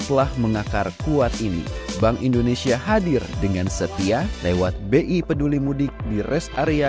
telah mengakar kuat ini bank indonesia hadir dengan setia lewat bi peduli mudik di rest area